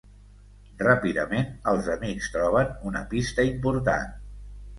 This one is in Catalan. Ràpidament els amics troben una pista important.